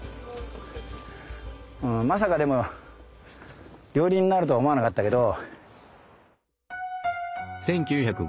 まさかでも料理人になるとは思わなかったけど。